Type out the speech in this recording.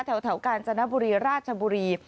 แถวกาลจรณบุรีราชบุรี